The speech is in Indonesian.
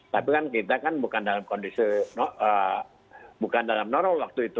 tapi kan kita bukan dalam kondisi normal waktu itu